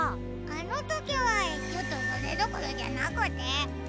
あのときはちょっとそれどころじゃなくて。